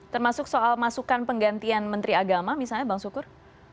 termasuk soal masukan penggantian menteri agama misalnya bang sukur